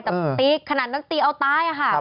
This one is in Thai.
แต่ตีขนาดนั้นตีเอาตายค่ะ